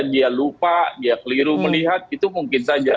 dia lupa dia keliru melihat itu mungkin saja